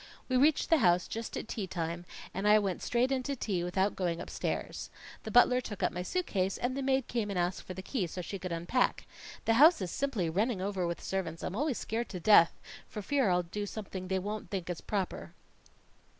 We reached the house just at tea time, and I went straight in to tea without going upstairs. The butler took up my suit case and the maid came and asked for the key so she could unpack. That house is simply running over with servants; I'm always scared to death for fear I'll do something that they won't think is proper.